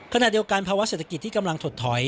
ขณะเดียวกันภาวะเศรษฐกิจที่กำลังถดถอย